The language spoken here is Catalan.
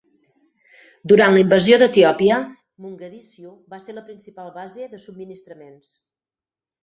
Durant la invasió d'Etiòpia, Mogadiscio va ser la principal base de subministraments.